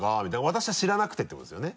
私は知らなくてってことですよね